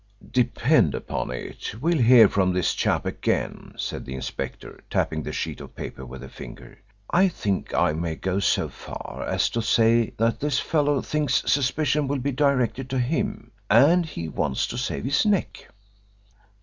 "Depend upon it, we'll hear from this chap again," said the inspector, tapping the sheet of paper with a finger. "I think I may go so far as to say that this fellow thinks suspicion will be directed to him and he wants to save his neck."